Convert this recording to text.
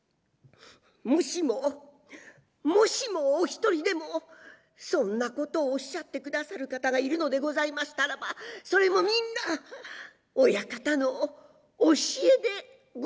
もしももしもお一人でもそんなことをおっしゃってくださる方がいるのでございましたらばそれもみんな親方の教えでございます。